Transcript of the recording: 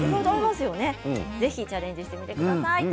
ぜひチャレンジしてください。